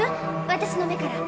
私の目から。